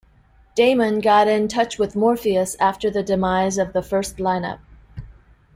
Daemon got in touch with Morfeus after the demise of the first line-up.